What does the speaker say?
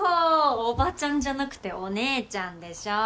叔母ちゃんじゃなくてお姉ちゃんでしょ。